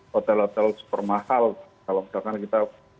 hotel hotel super mahal kalau misalkan kita